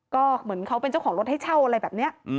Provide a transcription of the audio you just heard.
ก็เหมือนเขาเป็นเจ้าของรถให้เช่าอะไรแบบนี้